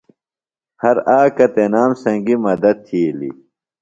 ہر آکہ تنام سنگیۡ مدت تِھیلیۡ۔